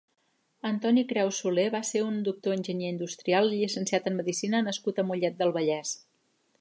Antoni Creus Solé va ser un doctor enginyer industrial llicenciat en medicina nascut a Mollet del Vallès.